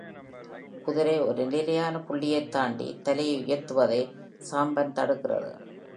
குதிரை ஒரு நிலையான புள்ளியைத் தாண்டி தலையை உயர்த்துவதை சாம்பன் தடுக்கிறது.